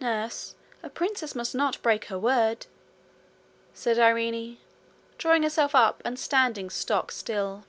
'Nurse, a princess must not break her word,' said Irene, drawing herself up and standing stock still.